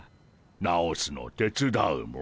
直すの手伝うモ。